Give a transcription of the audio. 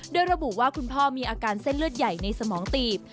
โดยระบุว่าคุณพ่อมีอาการเส้นเลือดใหญ่ในสมองตีบ